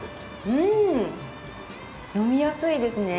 うん、飲みやすいですね。